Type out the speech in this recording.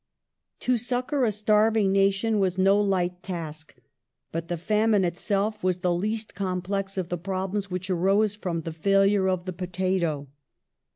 To succour a starving nation w«is no light task ; but the famine itself was the least complex of the problems which arose from the failure of the potato.